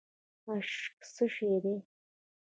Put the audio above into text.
اشک څه شی دی؟